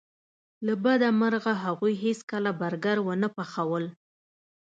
له بده مرغه هغوی هیڅکله برګر ونه پخول